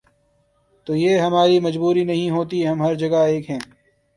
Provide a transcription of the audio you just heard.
تو یہ ہماری مجبوری نہیں ہوتی، ہم ہر جگہ ایک ہیں۔